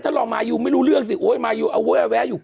ถ้าลองมายูไม่รู้เรื่องสิโอ๊ยมายูเอาแวะอยู่